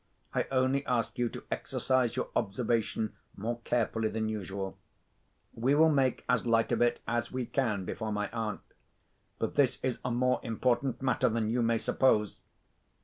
I only ask you to exercise your observation more carefully than usual. We will make as light of it as we can before my aunt—but this is a more important matter than you may suppose."